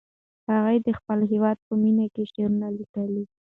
هغه د خپل هېواد په مینه کې شعرونه لیکي.